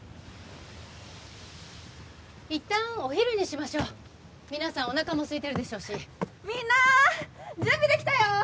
一旦お昼にしましょう皆さんおなかもすいてるでしょうしみんな準備できたよ！